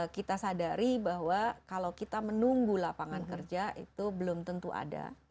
kita sadari bahwa kalau kita menunggu lapangan kerja itu belum tentu ada